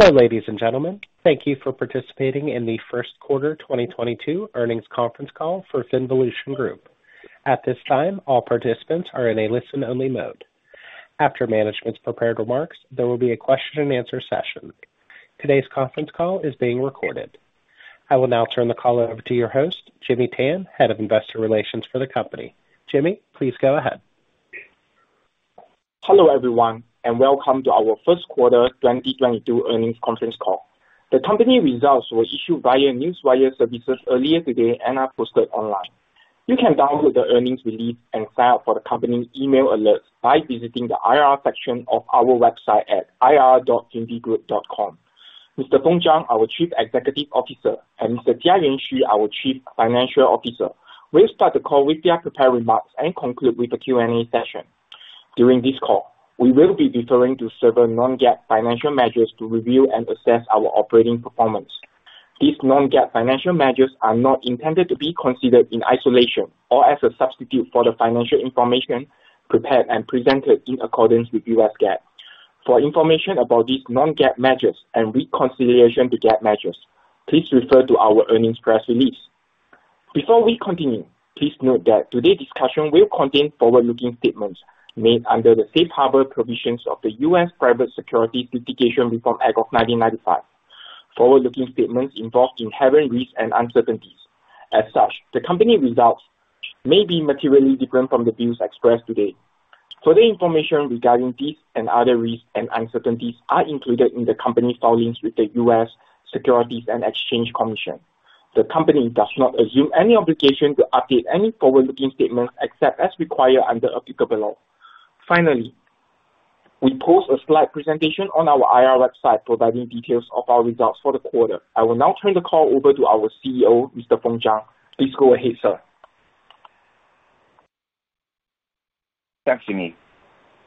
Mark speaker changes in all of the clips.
Speaker 1: Hello, ladies and gentlemen. Thank you for participating in the first quarter 2022 earnings conference call for FinVolution Group. At this time, all participants are in a listen-only mode. After management's prepared remarks, there will be a question-and-answer session. Today's conference call is being recorded. I will now turn the call over to your host, Jimmy Tan, Head of Investor Relations for the company. Jimmy, please go ahead.
Speaker 2: Hello, everyone, and welcome to our first quarter 2022 earnings conference call. The company results were issued via newswire services earlier today and are posted online. You can download the earnings release and sign up for the company's email alerts by visiting the IR section of our website at ir.finvgroup.com. Mr. Feng Zhang, our Chief Executive Officer, and Mr. Jiayuan Xu, our Chief Financial Officer, will start the call with their prepared remarks and conclude with the Q&A session. During this call, we will be referring to several non-GAAP financial measures to review and assess our operating performance. These non-GAAP financial measures are not intended to be considered in isolation or as a substitute for the financial information prepared and presented in accordance with U.S. GAAP. For information about these non-GAAP measures and reconciliation to GAAP measures, please refer to our earnings press release. Before we continue, please note that today's discussion will contain forward-looking statements made under the Safe Harbor provisions of the US Private Securities Litigation Reform Act of 1995. Forward-looking statements involve inherent risks and uncertainties. As such, the company results may be materially different from the views expressed today. Further information regarding these and other risks and uncertainties are included in the company's filings with the US Securities and Exchange Commission. The company does not assume any obligation to update any forward-looking statements, except as required under applicable law. Finally, we post a slide presentation on our IR website providing details of our results for the quarter. I will now turn the call over to our CEO, Mr. Feng Zhang. Please go ahead, sir.
Speaker 3: Thanks, Jimmy.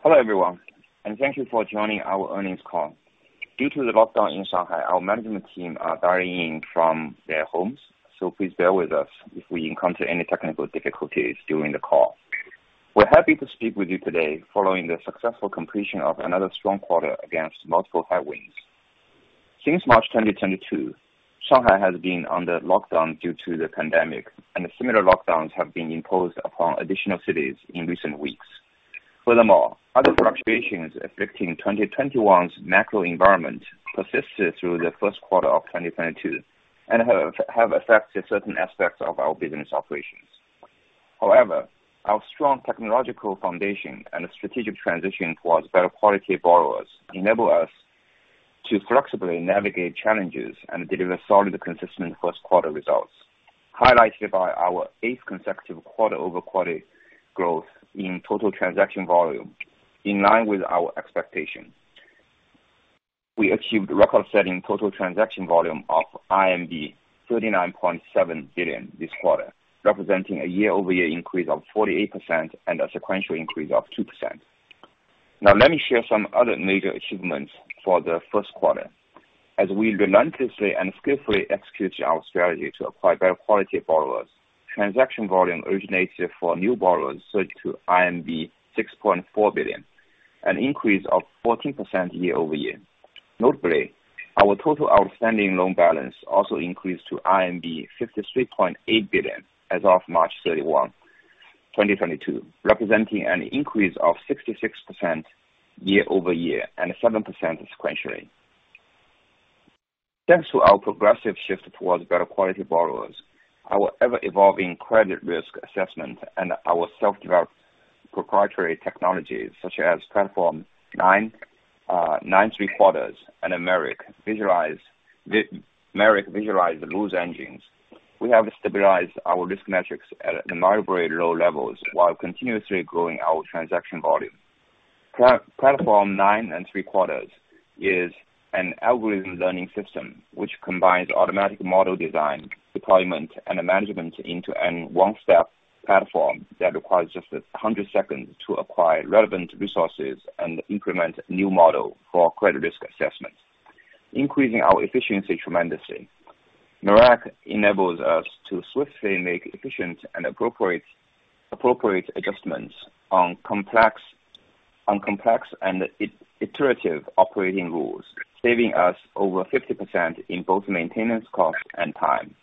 Speaker 3: Hello, everyone, and thank you for joining our earnings call. Due to the lockdown in Shanghai, our management team are dialing in from their homes, so please bear with us if we encounter any technical difficulties during the call. We're happy to speak with you today following the successful completion of another strong quarter against multiple headwinds. Since March 2022, Shanghai has been under lockdown due to the pandemic, and similar lockdowns have been imposed upon additional cities in recent weeks. Furthermore, other fluctuations affecting 2021's macro environment persisted through the first quarter of 2022 and have affected certain aspects of our business operations. However, our strong technological foundation and strategic transition towards better quality borrowers enable us to flexibly navigate challenges and deliver solid, consistent first quarter results, highlighted by our eighth consecutive quarter-over-quarter growth in total transaction volume. In line with our expectation, we achieved record-setting total transaction volume of 39.7 billion this quarter, representing a year-over-year increase of 48% and a sequential increase of 2%. Now, let me share some other major achievements for the first quarter. As we relentlessly and skillfully execute our strategy to acquire better quality of borrowers, transaction volume originated for new borrowers surged to 6.4 billion, an increase of 14% year-over-year. Notably, our total outstanding loan balance also increased to 53.8 billion as of March 31, 2022, representing an increase of 66% year-over-year, and 7% sequentially. Thanks to our progressive shift towards better quality borrowers, our ever-evolving credit risk assessment and our self-developed proprietary technologies such as Platform Nine three-quarters, Americk Visualized, V-Merick Visualized Rules Engines, we have stabilized our risk metrics at remarkably low levels while continuously growing our transaction volume. Platform Nine three-quarters is an algorithm learning system which combines automatic model design, deployment, and management into a one-step platform that requires just 100 seconds to acquire relevant resources and implement new model for credit risk assessments, increasing our efficiency tremendously. Merack enables us to swiftly make efficient and appropriate adjustments on complex and iterative operating rules, saving us over 50% in both maintenance cost and time.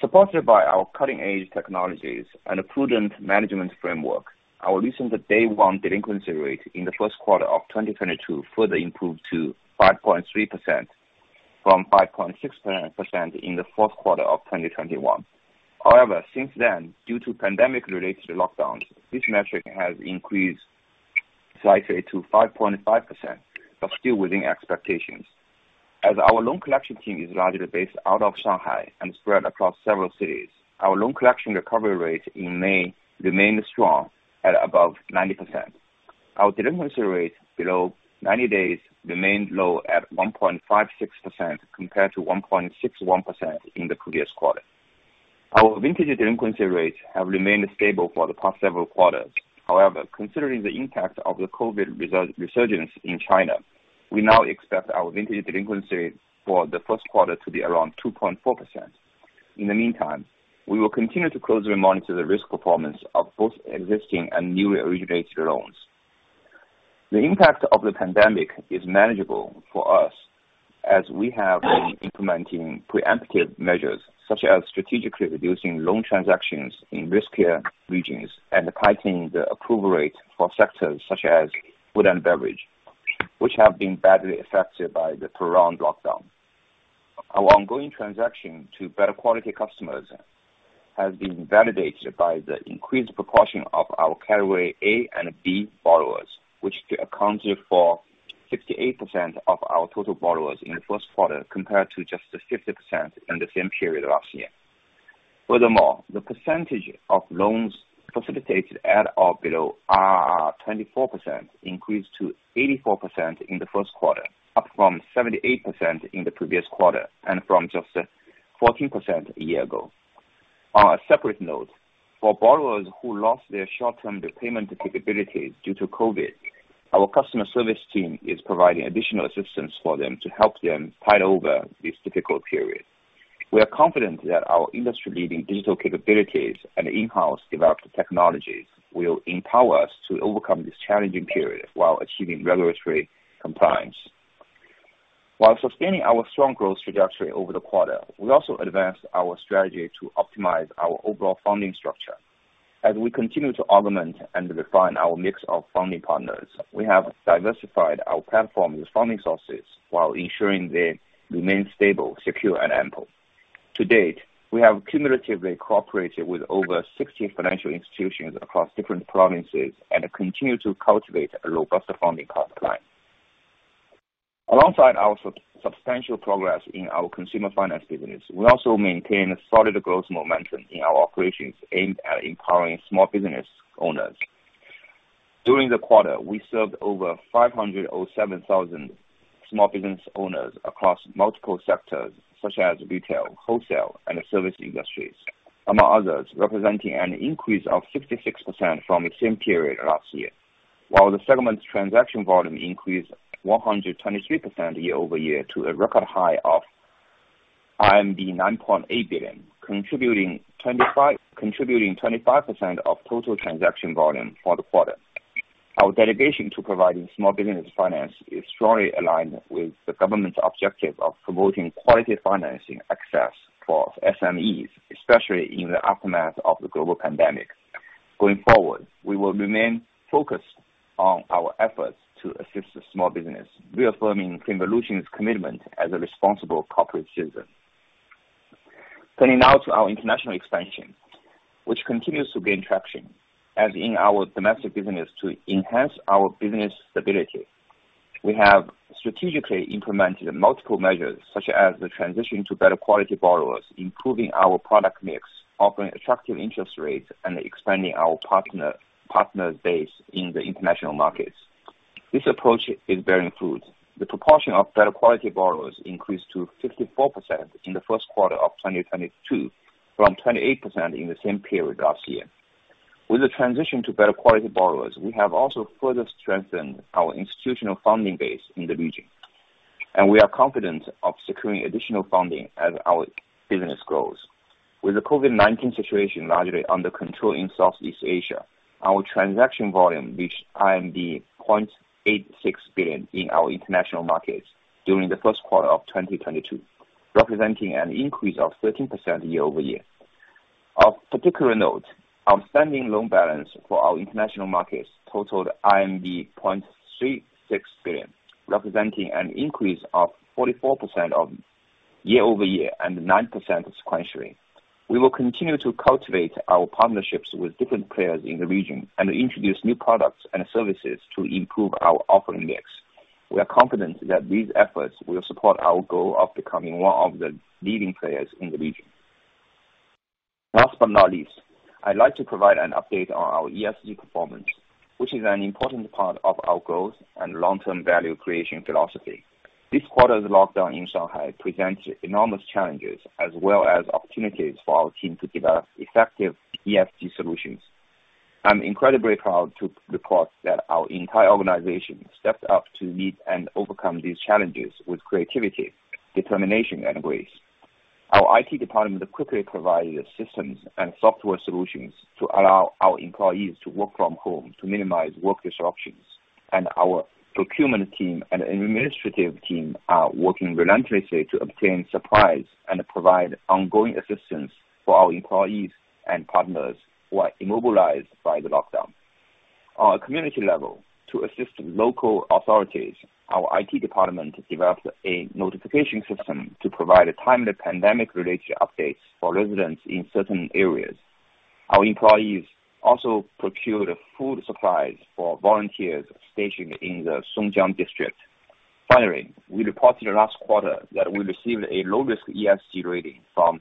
Speaker 3: Supported by our cutting-edge technologies and a prudent management framework, our recent day one delinquency rate in the first quarter of 2022 further improved to 5.3% from 5.6% in the fourth quarter of 2021. However, since then, due to pandemic-related lockdowns, this metric has increased slightly to 5.5%, but still within expectations. As our loan collection team is largely based out of Shanghai and spread across several cities, our loan collection recovery rate in May remained strong at above 90%. Our delinquency rate below 90 days remained low at 1.56% compared to 1.61% in the previous quarter. Our vintage delinquency rates have remained stable for the past several quarters. However, considering the impact of the COVID resurgence in China, we now expect our vintage delinquency for the first quarter to be around 2.4%. In the meantime, we will continue to closely monitor the risk performance of both existing and newly originated loans. The impact of the pandemic is manageable for us as we have been implementing preemptive measures, such as strategically reducing loan transactions in riskier regions and tightening the approval rate for sectors such as food and beverage, which have been badly affected by the prolonged lockdown. Our ongoing transition to better quality customers has been validated by the increased proportion of our category A and B borrowers, which accounted for 68% of our total borrowers in the first quarter, compared to just 50% in the same period last year. Furthermore, the percentage of loans facilitated at or below IRR 24% increased to 84% in the first quarter, up from 78% in the previous quarter and from just 14% a year ago. On a separate note, for borrowers who lost their short-term repayment capabilities due to COVID, our customer service team is providing additional assistance for them to help them tide over this difficult period. We are confident that our industry-leading digital capabilities and in-house developed technologies will empower us to overcome this challenging period while achieving regulatory compliance. While sustaining our strong growth trajectory over the quarter, we also advanced our strategy to optimize our overall funding structure. As we continue to augment and refine our mix of funding partners, we have diversified our platform with funding sources while ensuring they remain stable, secure and ample. To date, we have cumulatively cooperated with over 60 financial institutions across different provinces and continue to cultivate a robust funding pipeline. Alongside our substantial progress in our consumer finance business, we also maintain a solid growth momentum in our operations aimed at empowering small business owners. During the quarter, we served over 507,000 small business owners across multiple sectors such as retail, wholesale and service industries, among others, representing an increase of 66% from the same period last year. While the settlement's transaction volume increased 123% year-over-year to a record high of RMB 9.8 billion, contributing 25% of total transaction volume for the quarter. Our dedication to providing small business finance is strongly aligned with the government's objective of promoting quality financing access for SMEs, especially in the aftermath of the global pandemic. Going forward, we will remain focused on our efforts to assist the small business, reaffirming FinVolution's commitment as a responsible corporate citizen. Turning now to our international expansion, which continues to gain traction as with our domestic business to enhance our business stability. We have strategically implemented multiple measures such as the transition to better quality borrowers, improving our product mix, offering attractive interest rates, and expanding our partner base in the international markets. This approach is bearing fruit. The proportion of better quality borrowers increased to 54% in the first quarter of 2022 from 28% in the same period last year. With the transition to better quality borrowers, we have also further strengthened our institutional funding base in the region, and we are confident of securing additional funding as our business grows. With the COVID-19 situation largely under control in Southeast Asia, our transaction volume reached 0.86 billion in our international markets during the first quarter of 2022, representing an increase of 13% year-over-year. Of particular note, outstanding loan balance for our international markets totaled 0.36 billion, representing an increase of 44% year-over-year and 9% sequentially. We will continue to cultivate our partnerships with different players in the region and introduce new products and services to improve our offering mix. We are confident that these efforts will support our goal of becoming one of the leading players in the region. Last but not least, I'd like to provide an update on our ESG performance, which is an important part of our growth and long-term value creation philosophy. This quarter's lockdown in Shanghai presented enormous challenges as well as opportunities for our team to develop effective ESG solutions. I'm incredibly proud to report that our entire organization stepped up to meet and overcome these challenges with creativity, determination, and grace. Our IT department quickly provided systems and software solutions to allow our employees to work from home to minimize work disruptions. Our procurement team and administrative team are working relentlessly to obtain supplies and provide ongoing assistance for our employees and partners who are immobilized by the lockdown. On a community level, to assist local authorities, our IT department developed a notification system to provide timely pandemic-related updates for residents in certain areas. Our employees also procured food supplies for volunteers stationed in the Songjiang District. Finally, we reported last quarter that we received a low-risk ESG rating from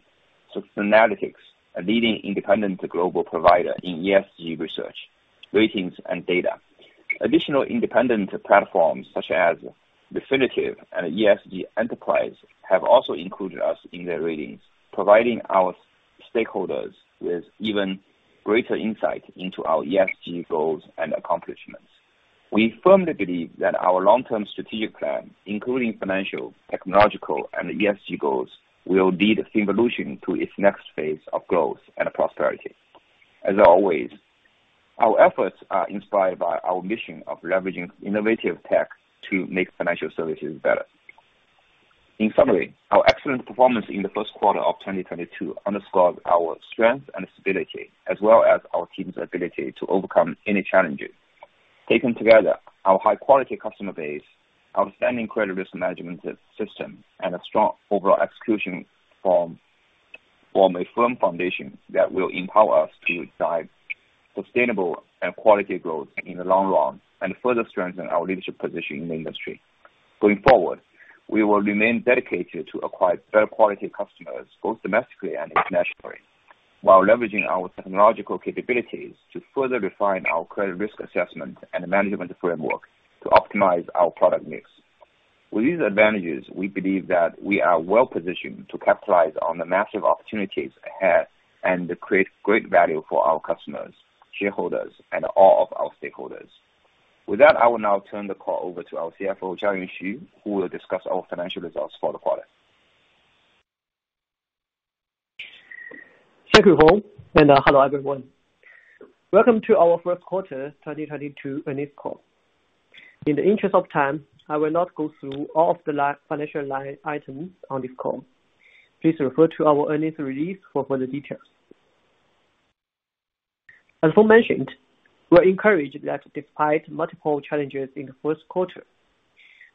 Speaker 3: Sustainalytics, a leading independent global provider in ESG research, ratings, and data. Additional independent platforms such as Definitive and ESG Enterprise have also included us in their ratings, providing our stakeholders with even greater insight into our ESG goals and accomplishments. We firmly believe that our long-term strategic plan, including financial, technological, and ESG goals, will lead FinVolution to its next phase of growth and prosperity. As always, our efforts are inspired by our mission of leveraging innovative tech to make financial services better. In summary, our excellent performance in the first quarter of 2022 underscores our strength and stability, as well as our team's ability to overcome any challenges. Taken together, our high quality customer base, outstanding credit risk management system, and a strong overall execution form a firm foundation that will empower us to drive sustainable and quality growth in the long run, and further strengthen our leadership position in the industry. Going forward, we will remain dedicated to acquire better quality customers, both domestically and internationally, while leveraging our technological capabilities to further refine our credit risk assessment and management framework to optimize our product mix. With these advantages, we believe that we are well-positioned to capitalize on the massive opportunities ahead, and create great value for our customers, shareholders, and all of our stakeholders. With that, I will now turn the call over to our CFO, Jiayuan Xu, who will discuss our financial results for the quarter.
Speaker 4: Thank you, Feng Zhang, and hello, everyone. Welcome to our first quarter 2022 earnings call. In the interest of time, I will not go through all of the financial line items on this call. Please refer to our earnings release for further details. As Feng Zhang mentioned, we are encouraged that despite multiple challenges in the first quarter,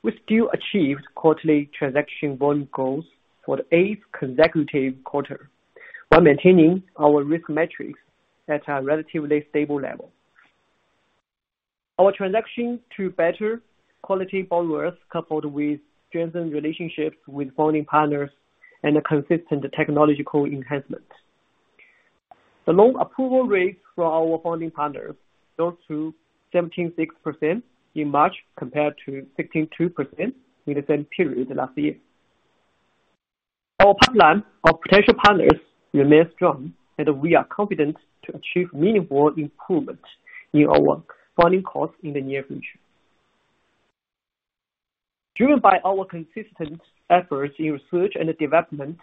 Speaker 4: we still achieved quarterly transaction volume goals for the eighth consecutive quarter, while maintaining our risk metrics at a relatively stable level. Our transition to better quality borrowers, coupled with strengthened relationships with funding partners and a consistent technological enhancement. The loan approval rates for our funding partners rose to 17.6% in March compared to 16.2% in the same period last year. Our pipeline of potential partners remains strong, and we are confident to achieve meaningful improvement in our funding costs in the near future. Driven by our consistent efforts in research and development,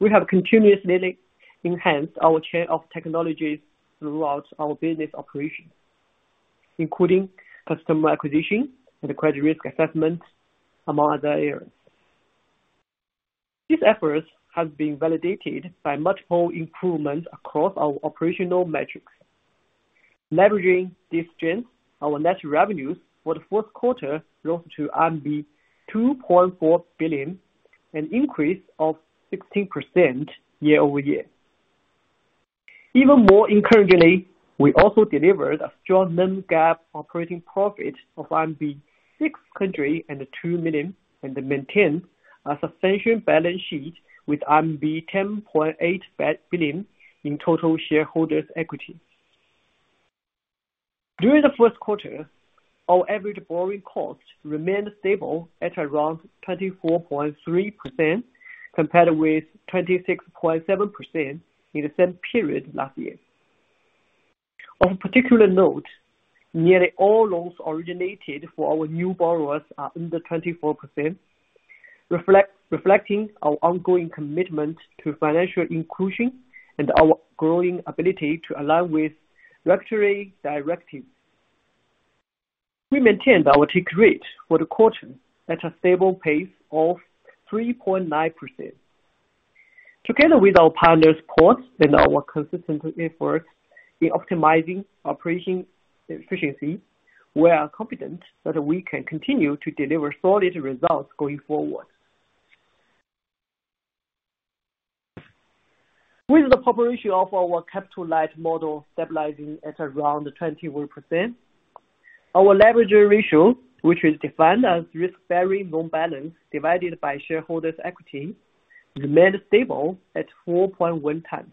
Speaker 4: we have continuously enhanced our chain of technologies throughout our business operations, including customer acquisition and credit risk assessment, among other areas. These efforts have been validated by multiple improvements across our operational metrics. Leveraging these strengths, our net revenues for the fourth quarter rose to RMB 2.4 billion, an increase of 16% year-over-year. Even more encouragingly, we also delivered a strong non-GAAP operating profit of RMB 602 million, and maintained a substantial balance sheet with RMB 10.8 billion in total shareholders' equity. During the first quarter, our average borrowing cost remained stable at around 24.3% compared with 26.7% in the same period last year. Of particular note, nearly all loans originated for our new borrowers are under 24%, reflecting our ongoing commitment to financial inclusion and our growing ability to align with regulatory directives. We maintained our take rate for the quarter at a stable pace of 3.9%. Together with our partners' support and our consistent efforts in optimizing operating efficiency, we are confident that we can continue to deliver solid results going forward. With the population of our capital light model stabilizing at around 21%, our leverage ratio, which is defined as risk-bearing loan balance divided by shareholders equity, remained stable at 4.1x.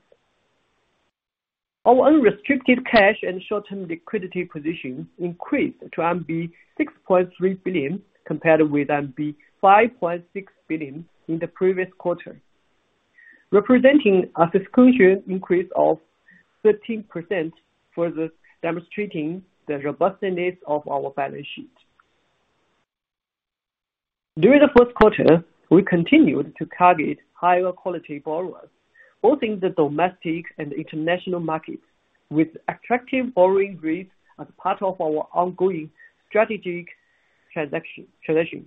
Speaker 4: Our unrestricted cash and short-term liquidity position increased to 6.3 billion, compared with 5.6 billion in the previous quarter, representing a sequential increase of 13%, further demonstrating the robustness of our balance sheet. During the first quarter, we continued to target higher quality borrowers, both in the domestic and international markets, with attractive borrowing rates as part of our ongoing strategic transition.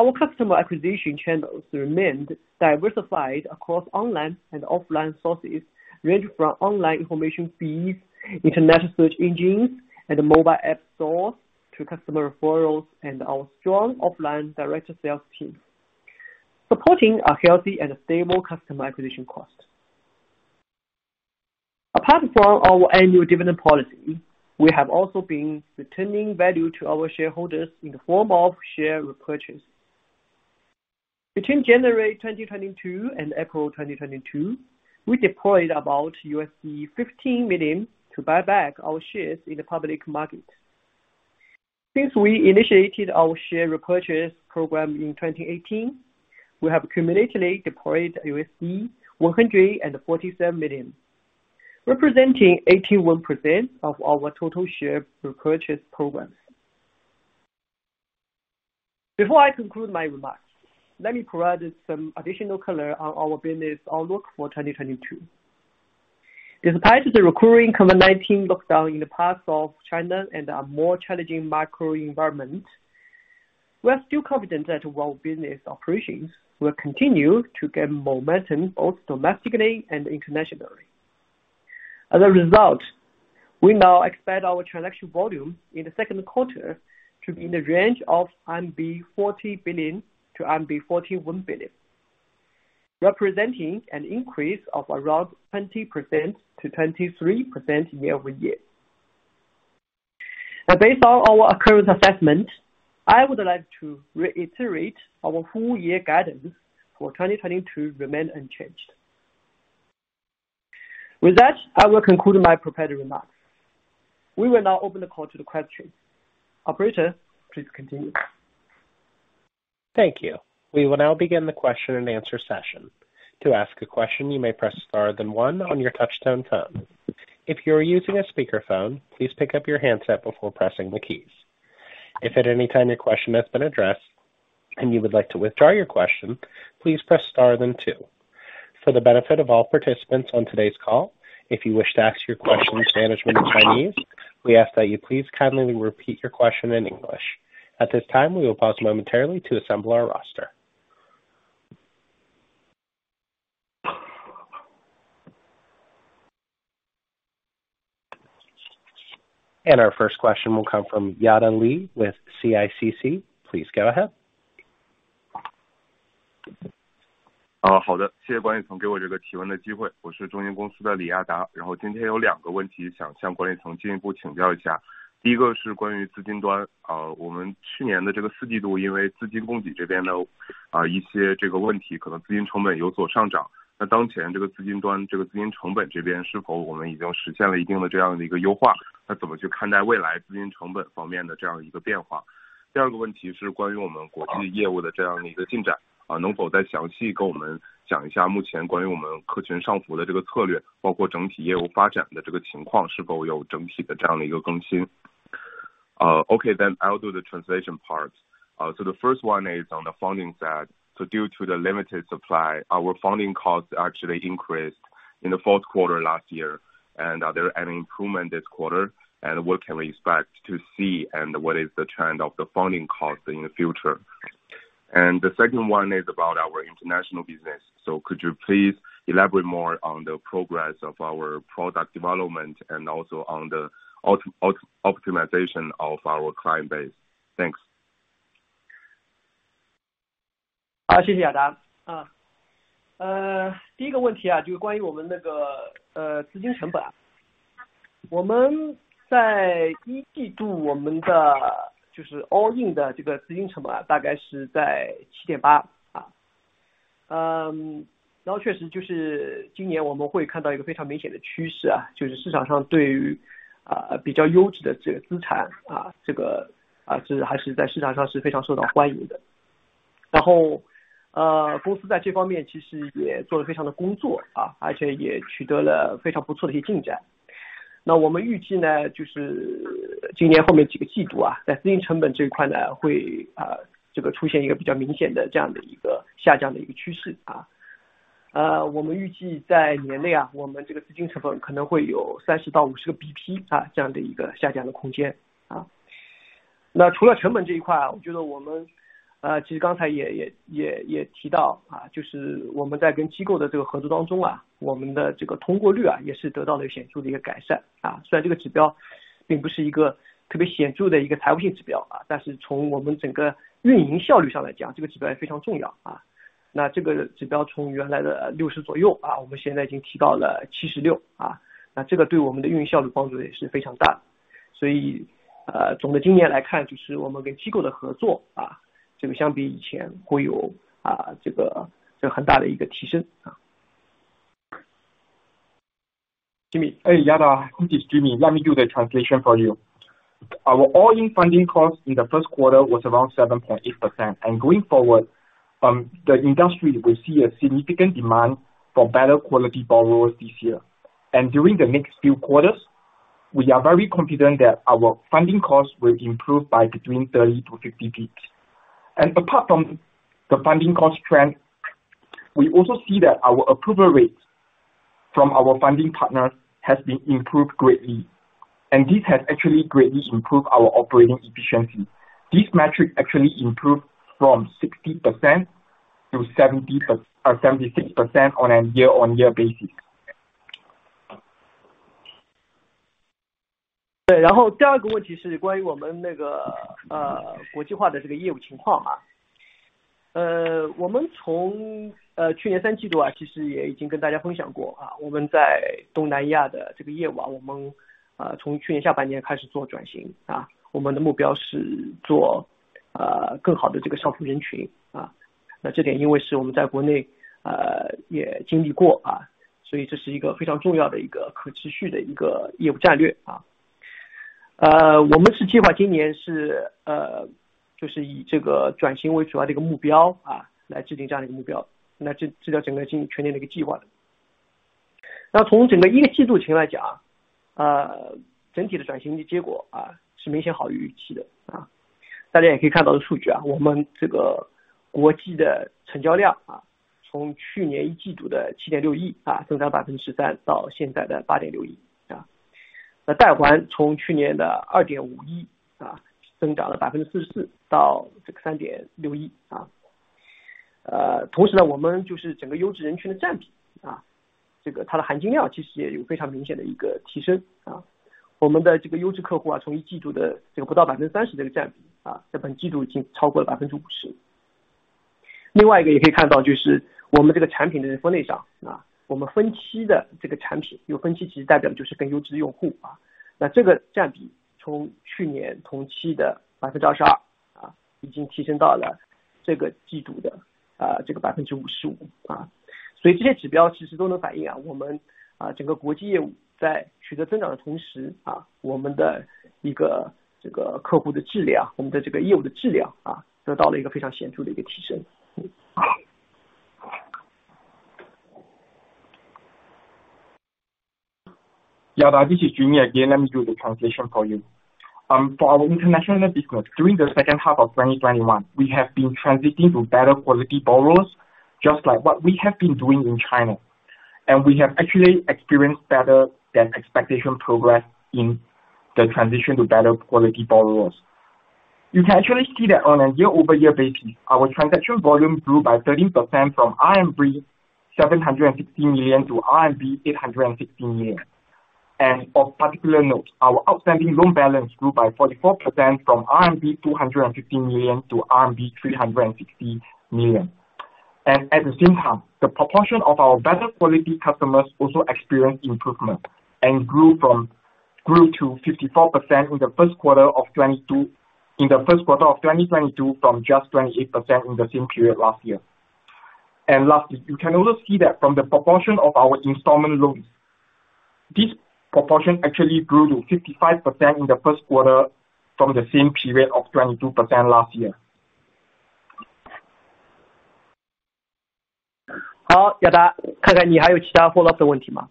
Speaker 4: Our customer acquisition channels remained diversified across online and offline sources, ranging from online information feeds, international search engines, and mobile app stores, to customer referrals and our strong offline direct sales team, supporting a healthy and stable customer acquisition cost. Apart from our annual dividend policy, we have also been returning value to our shareholders in the form of share repurchase. Between January 2022 and April 2022, we deployed about $15 million to buy back our shares in the public market. Since we initiated our share repurchase program in 2018, we have cumulatively deployed $147 million, representing 81% of our total share repurchase program. Before I conclude my remarks, let me provide some additional color on our business outlook for 2022. Despite the recurring COVID-19 lockdown in parts of China and a more challenging macro environment, we are still confident that our business operations will continue to gain momentum both domestically and internationally. As a result, we now expect our transaction volume in the second quarter to be in the range of 40 billion-41 billion RMB, representing an increase of around 20%-23% year-over-year. Based on our current assessment, I would like to reiterate our full year guidance for 2022 remain unchanged. With that, I will conclude my prepared remarks. We will now open the call to the questions. Operator, please continue.
Speaker 1: Thank you. We will now begin the question-and-answer session. To ask a question, you may press star then one on your touchtone phone. If you are using a speakerphone, please pick up your handset before pressing the keys. If at any time your question has been addressed and you would like to withdraw your question, please press star then two. For the benefit of all participants on today's call, if you wish to ask your question to management in Chinese, we ask that you please kindly repeat your question in English. At this time, we will pause momentarily to assemble our roster. Our first question will come from Yada Li with CICC. Please go ahead.
Speaker 5: 好的，谢谢管理层给我这个提问的机会。我是中金公司的李亚达，今天有两个问题想向管理层进一步请教一下。第一个是关于资金端，我们去年的四季度，因为资金供给这边有一些问题，可能资金成本有所上涨，那当前这个资金端，资金成本这边是否我们已经实现了一定的优化，那怎么去看待未来资金成本方面的变化？第二个问题是关于我们国际业务的进展，能否再详细跟我们讲一下目前关于我们科创上浮的策略，包括整体业务发展的情况，是否有整体的更新。Okay, I'll do the translation part. The first one is on the funding side. Due to the limited supply, our funding costs actually increased in the fourth quarter last year. Is there any improvement this quarter, and what can we expect to see and what is the trend of the funding cost in the future? The second one is about our international business. Could you please elaborate more on the progress of our product development and also on the optimization of our client base?
Speaker 2: Yada, this is Jimmy, let me do the translation for you. Our all-in funding cost in the first quarter was around 7.8%. Going forward, the industry will see a significant demand for better quality borrowers this year. And during the next few quarters, we are very confident that our funding costs will improve by between 30 to 50 bps. Apart from the funding cost trend, we also see that our approval rate from our funding partners has been improved greatly, and this has actually greatly improved our operating efficiency. This metric actually improved from 60% to 76% on a year-on-year basis.
Speaker 4: Yeah, Yada Li is Jiayuan again. Let me do the translation for you. For our international business during the second half of 2021, we have been transitioning to better quality borrowers, just like what we have been doing in China. We have actually experienced better than expected progress in the transition to better quality borrowers. You can actually see that on a year-over-year basis, our transaction volume grew by 13% from 760 million-860 million RMB. Of particular note, our outstanding loan balance grew by 44% from 250 million-360 million RMB. At the same time, the proportion of our better quality customers also experienced improvement and grew to 54% in the first quarter of 2022 from just 28% in the same period last year. Lastly, you can also see that from the proportion of our installment loans. This proportion actually grew to 55% in the first quarter from 22% in the same period last year.
Speaker 2: 好，要得。看看你还有其他 follow up 的问题吗？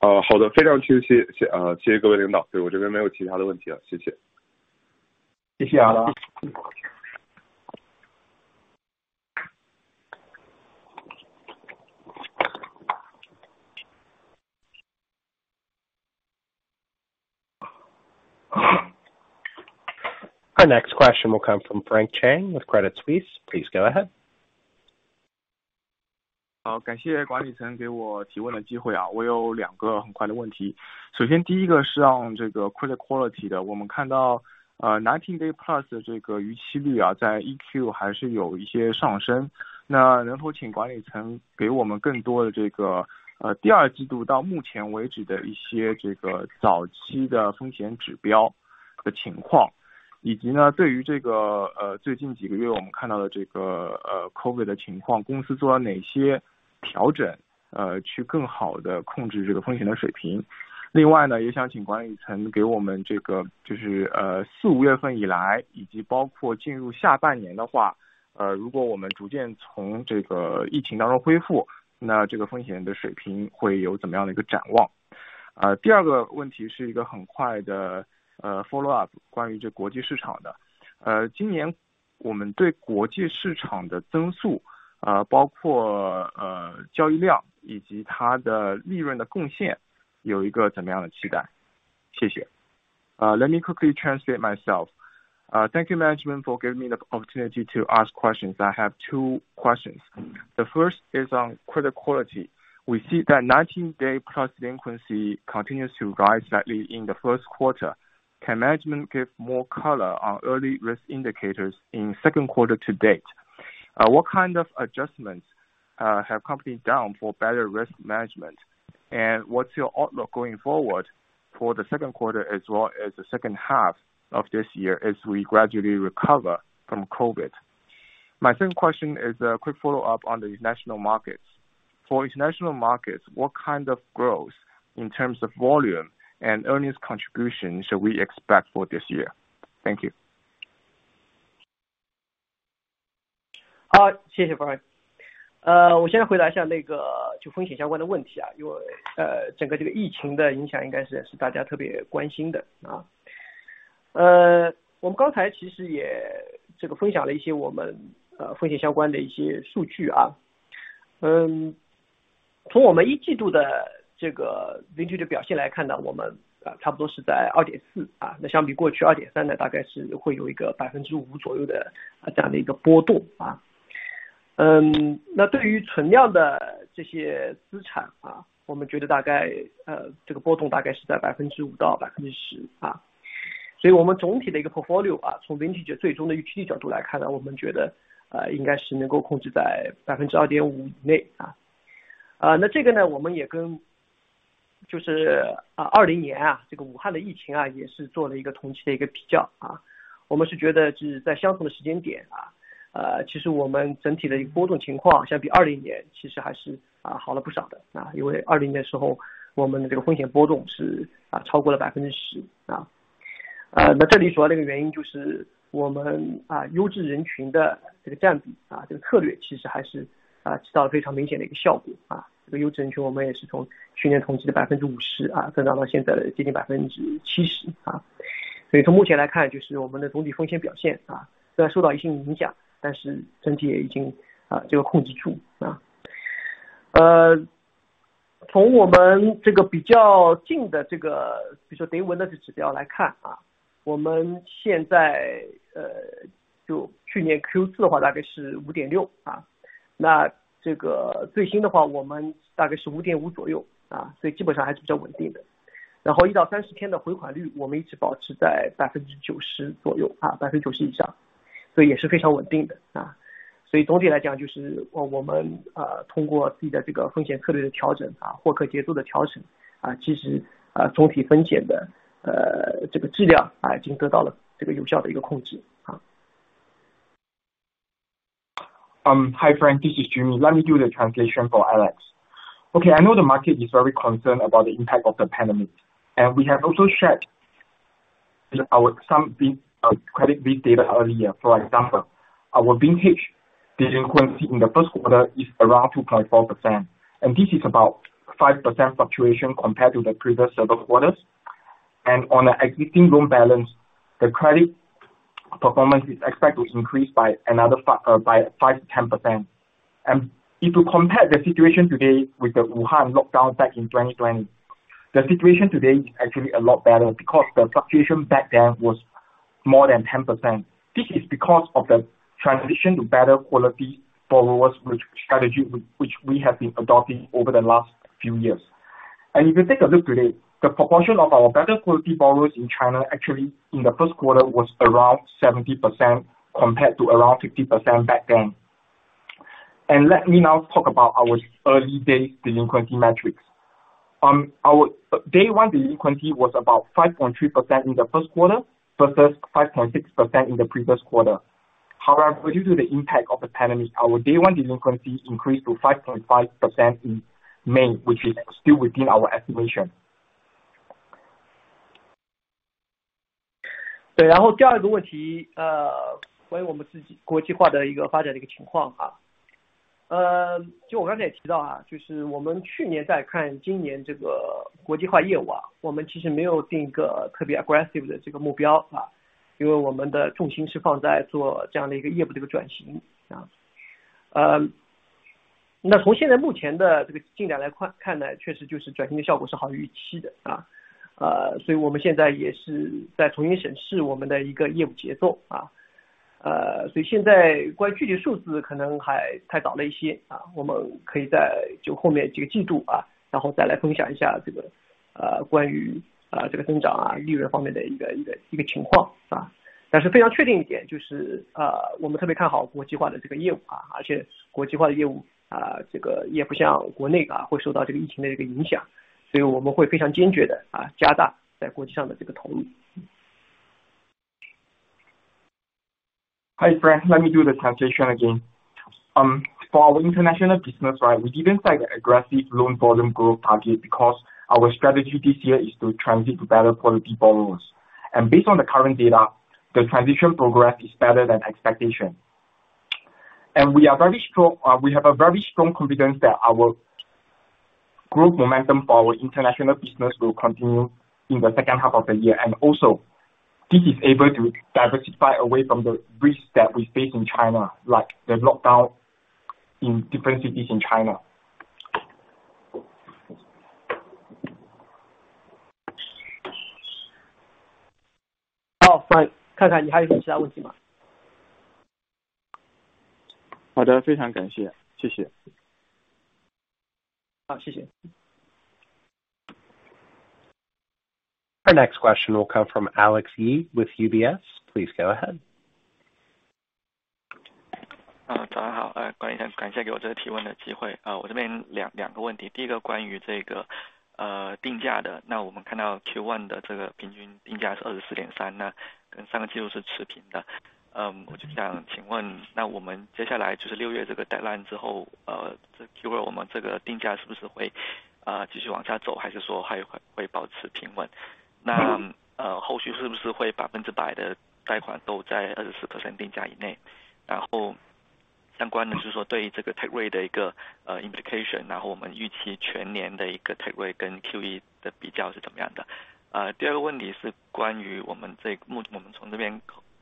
Speaker 5: 好的，非常谢谢，谢谢各位领导。我这边没有其他的问题了。谢谢。
Speaker 4: 谢谢。
Speaker 1: Our next question will come from Frank Zheng with Credit Suisse. Please go ahead.
Speaker 6: 感谢管理层给我提问的机会。我有两个很快的问题，首先第一个是关于这个 credit quality 的，我们看到 90 day+ 这个逾期率在一Q还是有一些上升，那能否请管理层给我们更多的这个第二季度到目前为止的一些早期的风险指标的情况，以及对于这个最近几个月我们看到的这个 COVID 的情况，公司做了哪些调整，去更好地控制这个风险的水平。另外呢，也想请管理层给我们这个就是四五月份以来，以及包括进入下半年的话，如果我们逐渐从这个疫情当中恢复，那这个风险的水平会有怎么样的一个展望？第二个问题是一个很快的 follow up
Speaker 2: Let me quickly introduce myself. Thank you management for giving me the opportunity to ask questions. I have two questions. The first is on credit quality. We see that 90-day-plus delinquency continues to rise slightly in the first quarter. Can management give more color on early risk indicators in second quarter to date? What kind of adjustments has the company done for better risk management? What's your outlook going forward for the second quarter as well as the second half of this year as we gradually recover from COVID? My second question is a quick follow up on the international markets. For international markets, what kind of growth in terms of volume and earnings contributions should we expect for this year? Thank you.
Speaker 4: one delinquency
Speaker 2: Hi friend, this is Jimmy, let me do the translation for Alex. OK, I know the market is very concerned about the impact of the pandemic, and we have also shared our big credit big data earlier, for example, our vintage delinquency in the first quarter is around 2.4%, and this is about 5% fluctuation compared to the previous several quarters. On an existing loan balance, the credit performance is expected to increase by another by 5%-10%. If you compare the situation today with the Wuhan lockdown back in 2020, the situation today is actually a lot better because the fluctuation back then was more than 10%. This is because of the transition to better quality borrowers which strategy we have been adopting over the last few years. If you take a look today, the proportion of our better quality borrowers in China actually in the first quarter was around 70% compared to around 50% back then. Let me now talk about our early day delinquency metrics. Our day one delinquency was about 5.3% in the first quarter versus 5.6% in the previous quarter. However, due to the impact of the pandemic, our day one delinquency increased to 5.5% in May, which is still within our estimation. Hi friend, let me do the translation again. For our international business, right, we didn't set an aggressive loan volume growth target because our strategy this year is to transition to better quality borrowers. Based on the current data, the transition progress is better than expectation. We are very strong, we have a very strong confidence that our growth momentum for our international business will continue in the second half of the year. Also this is able to diversify away from the risks that we face in China, like the lockdown in different cities in China.
Speaker 4: 好，看看你还有什么其他问题吧。
Speaker 6: 好的，非常感谢。谢谢。
Speaker 4: 好，谢谢。
Speaker 1: The next question will come from Alex Ye with UBS. Please go ahead.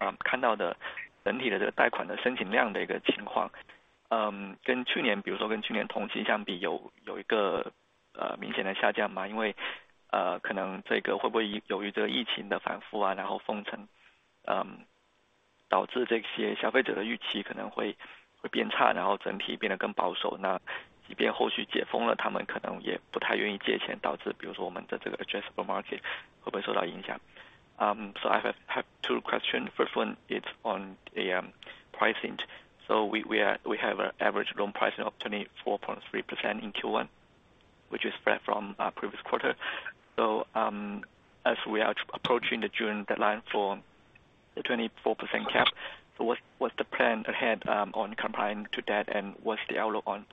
Speaker 7: rate跟Q1的比较是怎么样的。第二个问题是关于我们目前从这边看到的整体的这个贷款的申请量的一个情况，跟去年同期相比，有没有一个明显的下降？因为可能这个会不会由于这个疫情的反复，然后封城，导致这些消费者的预期可能会变差，然后整体变得更保守，那即便后续解封了，他们可能也不太愿意借钱，导致比如说我们的这个addressable market会不会受到影响。So I have two questions. First one is on the pricing. We have an average loan price of 24.3% in Q1, which is spread from our previous quarter. As we are approaching the June deadline for the 24% cap, what's the plan ahead on complying to that? What's the outlook on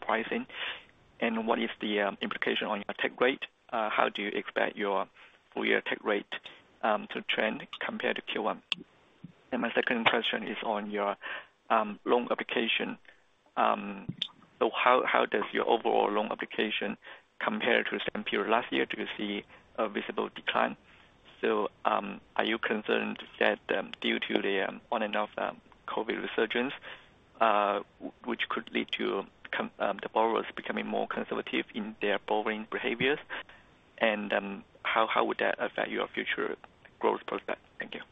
Speaker 7: pricing? What is the implication on your take rate? How do you expect your full year take rate to trend compared to Q1? My second question is on your loan application. How does your overall loan application compare to the same period last year? Do you see a visible decline? Are you concerned that due to the on and off COVID resurgence, which could lead to the borrowers becoming more conservative in their borrowing behaviors, and how would that affect your future growth prospect? Thank you.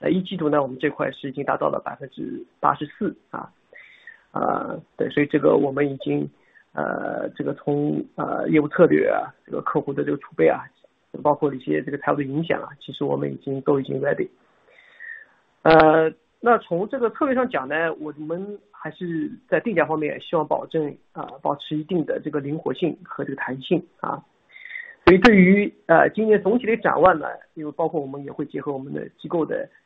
Speaker 4: 好，谢谢，Alex。第一个关于定价，我们一季度是24.3。我们应该说，是从去年四季度，我们就应对这个监管24的要求，我们已经完全准备好了。因为去年四季度我们差不多总体的占比已经达到了接近80%。那一季度呢，我们这块是已经达到了84%。对，所以这个我们已经，从业务策略、客户的储备，包括一些财务的影响，其实我们已经都已经ready。那从这个策略上讲呢，我们还是在定价方面希望保证，保持一定的灵活性和弹性。所以对于今年总体的展望呢，因为包括我们也会结合我们的机构的一些反馈、市场的一些需求，我们现在来看呢，就是整个的定价，今年应该还是会相对比较平稳。所以今年我们预估，可能下半年这个总体的定价平均大概也就是在24左右。对，所以这是定价的我们现在预估的一个情况。然后take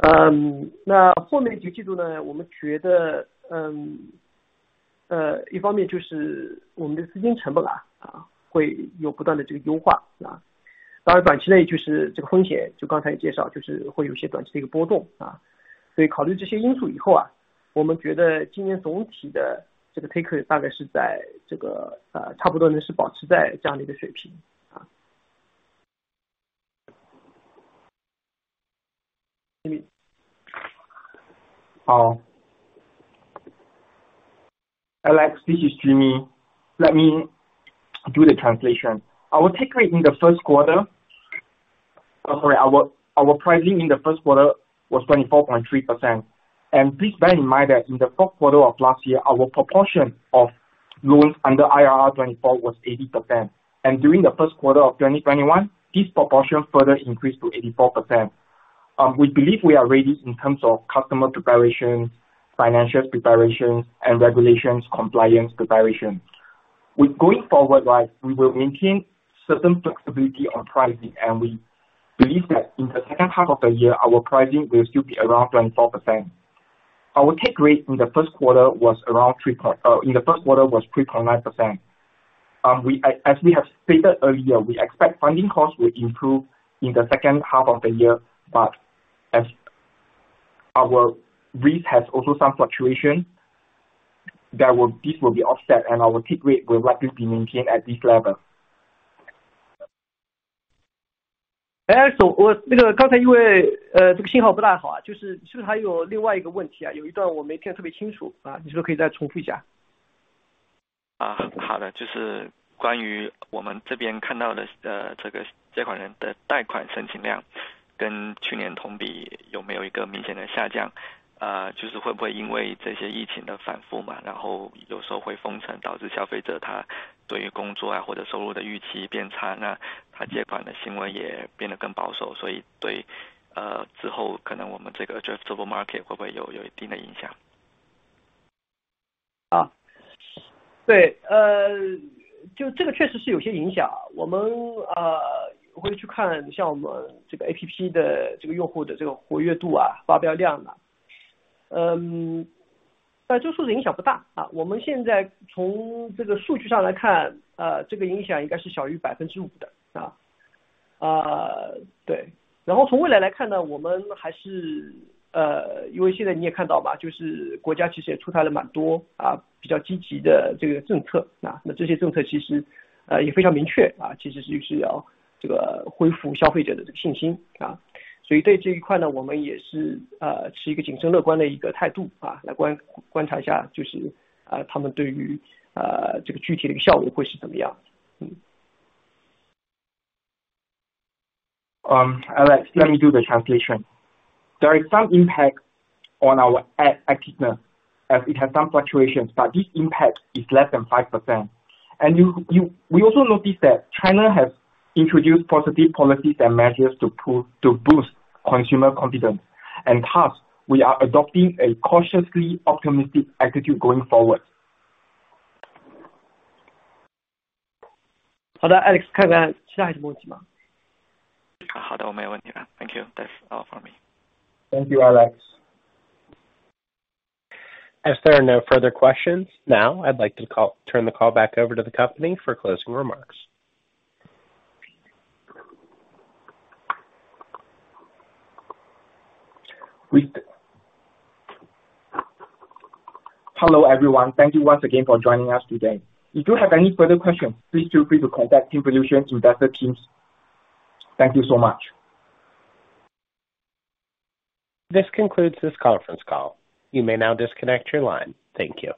Speaker 4: rate我们一季度是3.9。那后面几个季度呢，我们觉得，一方面就是我们的资金成本，会有不断的优化。当然短期内就是这个风险，就刚才介绍就是会有些短期的波动。所以考虑这些因素以后，我们觉得今年总体的这个take rate大概是在差不多能保持在这样一定的水平。
Speaker 2: Oh, Alex, this is Jimmy. Let me do the translation. Oh, sorry. Our pricing in the first quarter was 24.3%. Please bear in mind that in the fourth quarter of last year, our proportion of loans under IRR 24 was 80%, and during the first quarter of 2021, this proportion further increased to 84%. We believe we are ready in terms of customer preparation, financial preparation, and regulatory compliance preparation. Going forward, right, we will maintain certain flexibility on pricing, and we believe that in the second half of the year our pricing will still be around 24%. Our take rate in the first quarter was around 3.9%. As we have stated earlier, we expect funding costs will improve in the second half of the year, but as our rate has also some fluctuation, this will be offset and our take rate will likely be maintained at this level.
Speaker 4: Alex，我那个刚才因为这个信号不太好，是不是还有另外一个问题啊，有一段我没听特别清楚，你是不是可以再重复一下。
Speaker 7: 好的，就是关于我们这边看到的借款人的贷款申请量跟去年同比有没有一个明显的下降，就是会不会因为这些疫情的反复嘛，然后有时候会封城，导致消费者他对于工作或者收入的预期变差，那他借款的行为也变得更保守。所以对，之后可能我们这个just super market会不会有一定的影响。
Speaker 2: Alex, let me do the translation. There is some impact on our activity, as it has some fluctuations, but this impact is less than 5%. We also notice that China has introduced positive policies and measures to boost consumer confidence, and thus, we are adopting a cautiously optimistic attitude going forward.
Speaker 4: 好的，Alex，看看还有其他问题吗？
Speaker 7: 好 的， 我没有问题了。Thank you. That's all for me。
Speaker 2: Thank you, Alex.
Speaker 1: As there are no further questions, now I'd like to turn the call back over to the company for closing remarks.
Speaker 2: Hello, everyone. Thank you once again for joining us today. If you have any further questions, please feel free to contact FinVolution's investor relations team. Thank you so much.
Speaker 1: This concludes this conference call. You may now disconnect your line. Thank you.